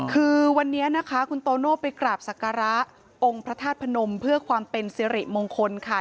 คือวันนี้นะคะคุณโตโน่ไปกราบศักระองค์พระธาตุพนมเพื่อความเป็นสิริมงคลค่ะ